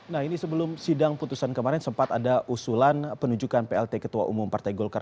nah ini sebelum sidang putusan kemarin sempat ada usulan penunjukan plt ketua umum partai golkar